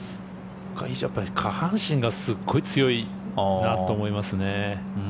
下半身がすごい強いなと思いますね。